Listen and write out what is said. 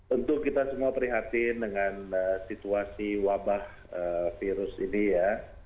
untuk kita semua prihatin dengan situasi wabah virus ini ya